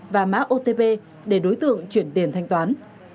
và mã otp để đối tượng chuyển tiền thanh toán